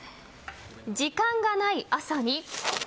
時間がない朝に。